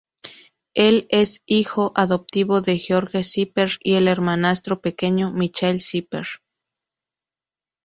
Él es hijo adoptivo de George Cypher y el hermanastro pequeño Michael Cypher.